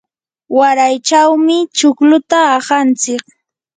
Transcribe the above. maraychawmi chukluta aqantsik.